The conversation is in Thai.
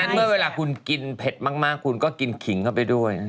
เมื่อเวลาคุณกินเผ็ดมากคุณก็กินขิงเข้าไปด้วย